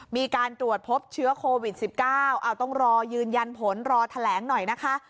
มีการตรวจพบเชื้อโควิด๑๙ต้องรอยืนยันผลรอแถลงหน่อยนะคะ